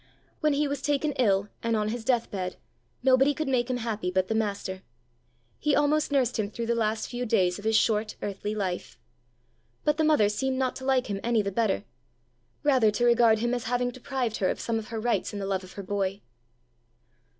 When he was taken ill, and on his deathbed, nobody could make him happy but the master; he almost nursed him through the last few days of his short earthly life. But the mother seemed not to like him any the better rather to regard him as having deprived her of some of her rights in the love of her boy.